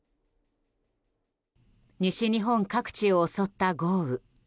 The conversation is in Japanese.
西日本各地を襲った豪雨。